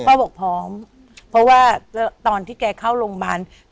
เพราะว่าตอนที่แกเข้าโรงพยาบาล